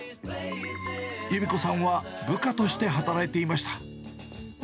ゆみ子さんは部下として働いていました。